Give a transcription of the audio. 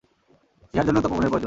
ইহার জন্য তপোবনের প্রয়োজন।